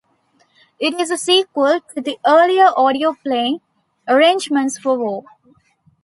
It is a sequel to the earlier audio play "Arrangements for War".